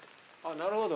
なるほど。